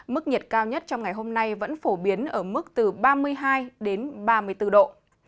mức nhiệt cao nhất trong ngày hôm nay vẫn phổ biến ở mức từ ba mươi hai đến ba mươi bốn độ